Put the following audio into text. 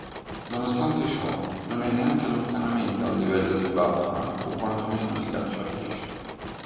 Nonostante ciò non è neanche lontanamente al livello di Batman o quantomeno di Cacciatrice.